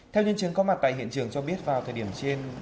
theo nhân chứng có mặt tại hiện trường cho biết vào thời điểm trên